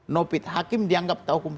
nopit hakim dianggap tahu hukum